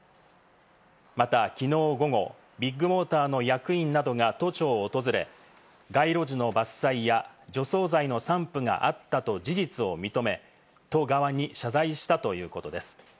また、きのう午後、ビッグモーターの役員などが都庁を訪れ、街路樹の伐採や除草剤の散布があったと事実を認め、都側に謝罪したということです。